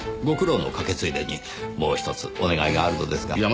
ご苦労のかけついでにもう１つお願いがあるのですが。